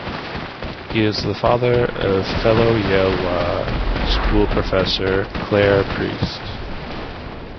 He is the father of fellow Yale Law School professor Claire Priest.